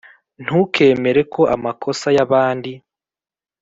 Ntukemere ko amakosa y abandi